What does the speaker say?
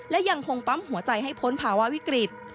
และยังคงปั๊มหัวใจให้พ้นภาวะวิกฤต